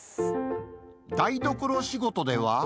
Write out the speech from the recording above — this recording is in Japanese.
台所仕事では。